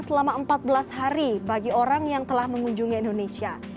selama empat belas hari bagi orang yang telah mengunjungi indonesia